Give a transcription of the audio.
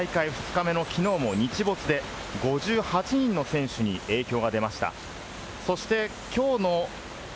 この影響により、大会２日目のきのうも日没で５８人の選手に影響が出ました。